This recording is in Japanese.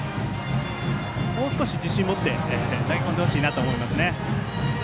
もう少し自信を持って投げ込んでほしいと思いますね。